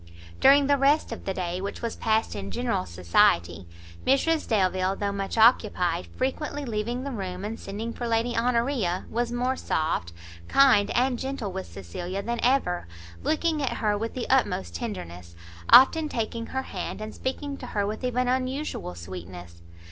During the rest of the day, which was passed in general society, Mrs Delvile, though much occupied, frequently leaving the room, and sending for Lady Honoria, was more soft, kind and gentle with Cecilia than ever, looking at her with the utmost tenderness, often taking her hand, and speaking to her with even unusual sweetness.